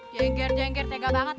cengker cengker tega banget